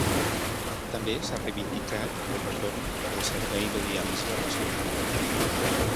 També s’ha reivindicat el retorn del servei de diàlisi a la ciutat.